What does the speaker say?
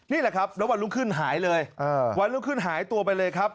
นี่แหละครับแล้ววันรุ่งขึ้นหายเลยวันรุ่งขึ้นหายตัวไปเลยครับ